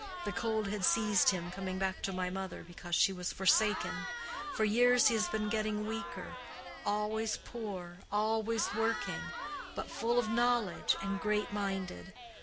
The cold had seized him coming back to my mother, because she was forsaken. For years he has been getting weaker—always poor, always working—but full of knowledge, and great minded.